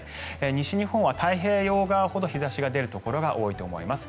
西日本は太平洋側ほど日差しが出るところが多いと思います。